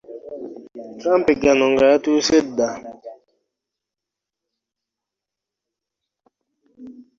Kampegano nga yatusse dda